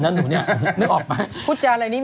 พูดจากอะไรนี้มีความจริงไหมเนี่ย